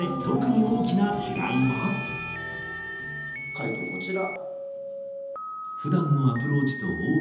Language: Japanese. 回答こちら。